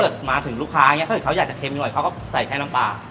ถ้าเกิดมาถึงลูกค้าอยากจะเค็มหน่อยเขาก็ใส่แค่น้ำปลา